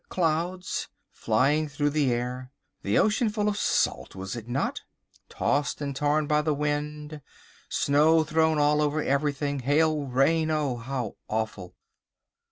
—clouds—flying through the air, the ocean full of salt, was it not?—tossed and torn by the wind, snow thrown all over everything, hail, rain—how awful!"